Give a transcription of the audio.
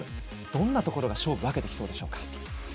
どんなところが勝負を分けてきそうでしょうか。